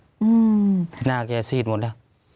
อื้นหน้าเปียดซีนละ